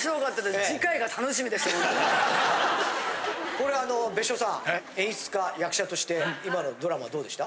これ別所さん演出家・役者として今のドラマどうでした？